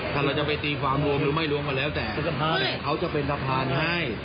ถ้าเราจะไปตีความรวมหรือไม่รวมก็แล้วแต่แต่เขาจะเป็นสะพานให้